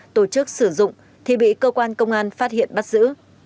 tổ chức sử dụng thì bị cơ quan công an phát hiện bắt giữ